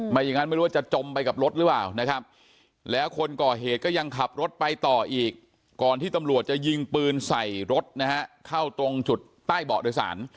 อย่างนั้นไม่รู้ว่าจะจมไปกับรถหรือเปล่านะครับแล้วคนก่อเหตุก็ยังขับรถไปต่ออีกก่อนที่ตำรวจจะยิงปืนใส่รถนะฮะเข้าตรงจุดใต้เบาะโดยสาร